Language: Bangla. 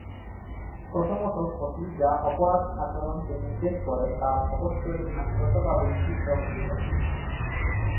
প্রথমত, ক্ষতি যা অপরাধ আচরণকে নির্দেশ করে তা অবশ্যই আইনগতভাবে নিষিদ্ধ হতে হবে।